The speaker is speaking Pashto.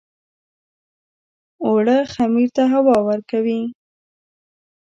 اوړه خمیر ته هوا ورکوي